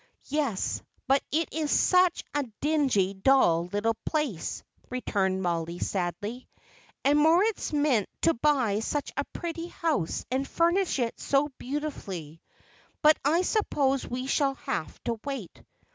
"Yes; but it is such a dingy, dull little place," returned Mollie, sadly, "and Moritz meant to buy such a pretty house, and furnish it so beautifully. But I suppose we shall have to wait."